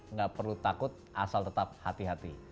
nggak perlu takut asal tetap hati hati